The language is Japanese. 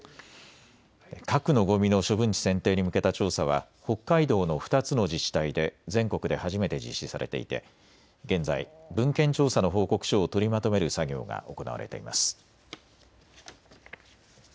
核のごみの処分地選定に向けた調査は北海道の２つの自治体で全国で初めて実施されていて現在、文献調査の報告書を取りまとめる作業が行われています。